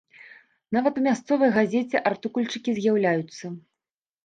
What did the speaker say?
Нават у мясцовай газеце артыкульчыкі з'яўляюцца.